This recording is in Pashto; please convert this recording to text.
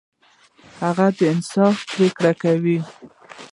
هغه د انصاف پریکړې کولې.